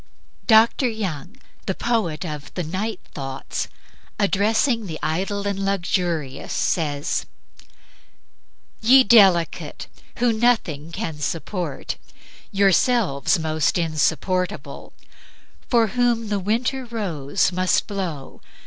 '" Dr. Young, the poet of the "Night Thoughts," addressing the idle and luxurious, says: "Ye delicate! who nothing can support (Yourselves most insupportable) for whom The winter rose must blow